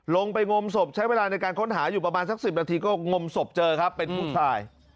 ลงไปงมศพใช้เวลาในการค้นหาอยู่ประมาณสัก๑๐นาทีก็งมศพเจอครับเป็นผู้ชาย